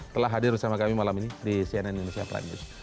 telah hadir bersama kami malam ini di cnn indonesia prime news